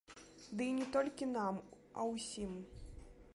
Ды і не толькі нам, а ўсім.